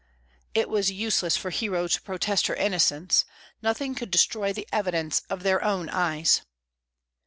It was useless for Hero to protest her innocence; nothing could destroy the evidence of their own eyes.